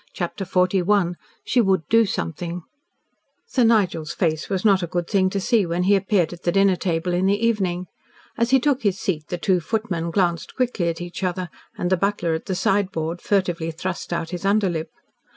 CHAPTER XLI SHE WOULD DO SOMETHING Sir Nigel's face was not a good thing to see when he appeared at the dinner table in the evening. As he took his seat the two footmen glanced quickly at each other, and the butler at the sideboard furtively thrust out his underlip.